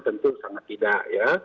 tentu sangat tidak ya